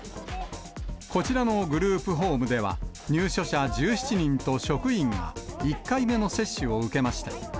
こちらのグループホームでは、入所者１７人と職員が、１回目の接種を受けました。